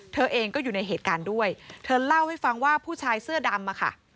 เธอเองก็อยู่ในเหตุการณ์ด้วยเธอเล่าให้ฟังว่าผู้ชายเสื้อดำอะค่ะ